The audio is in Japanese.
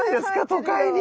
都会に。